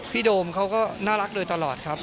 โดมเขาก็น่ารักโดยตลอดครับ